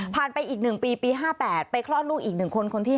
ไปอีก๑ปีปี๕๘ไปคลอดลูกอีก๑คนคนที่๕